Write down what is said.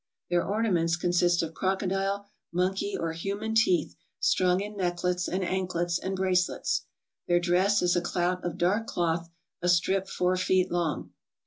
Their ornaments consist of crocodile, monkey or human teeth, strung in necklets and anklets and brace lets. Their dress is a clout of dark cloth, a strip four feet long.